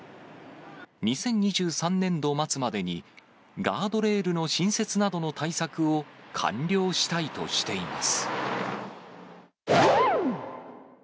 ２０２３年度末までに、ガードレールの新設などの対策を完了したいとしています。